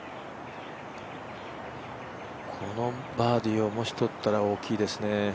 このバーディーをもし取ったら大きいですね。